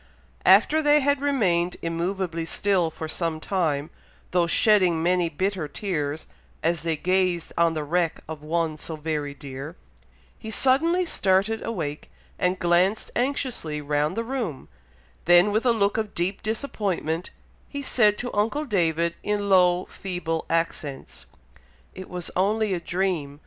After they had remained immoveably still for some time, though shedding many bitter tears, as they gazed on the wreck of one so very dear, he suddenly started awake, and glanced anxiously round the room, then with a look of deep disappointment, he said to uncle David, in low, feeble accents, "It was only a dream!